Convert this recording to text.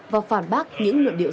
và phản bác những nội địa sách